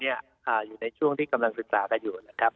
อยู่ในช่วงที่กำลังศึกษากันอยู่นะครับ